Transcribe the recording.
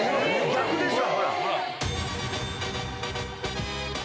⁉逆でしょ。